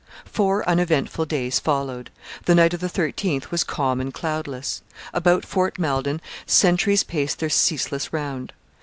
Four uneventful days followed. The night of the 13th was calm and cloudless. About Fort Malden sentries paced their ceaseless round.